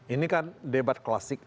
ini kan debat klasik